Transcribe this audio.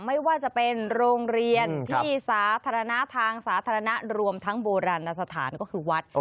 ไม่ว่าจะเป็นโรงเรียนที่สาธารณะทางสาธารณะรวมทั้งโบราณสถานก็คือวัด